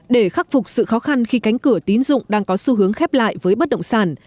để khắc phục sự khó khăn khi cánh cửa tín dụng đang có xu hướng khép lại với bất động sản